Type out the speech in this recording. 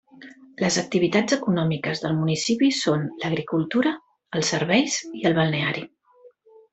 Les activitats econòmiques del municipi són l'agricultura, els serveis i el balneari.